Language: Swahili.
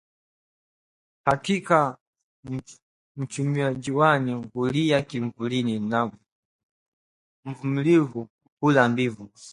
Hakika mchumia juani hulia kivulini na mvumilivu hula mbivu